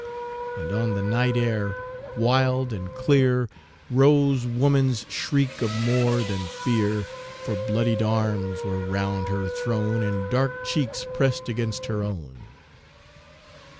And on the night air, wild and clear, Rose woman's shriek of more than fear; For bloodied arms were round her thrown And dark cheeks pressed against her own!